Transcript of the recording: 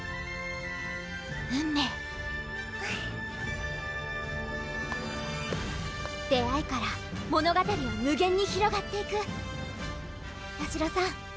運命出会いから物語は無限にひろがっていくましろさん